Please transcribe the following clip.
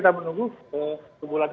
itu dengan begitu terkendali